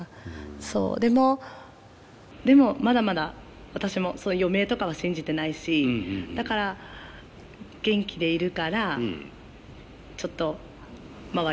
でもでもまだまだ私も余命とかは信じてないしだから元気でいるからちょっと周りと。